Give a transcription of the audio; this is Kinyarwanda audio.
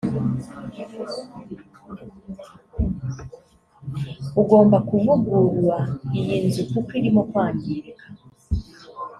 ugomba kuvugura iyi nzu kuko irimo kwangirika